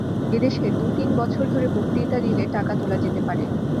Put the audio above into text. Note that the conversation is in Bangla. এ দেশে দু-তিন বছর ধরে বক্তৃতা দিলে টাকা তোলা যেতে পারে।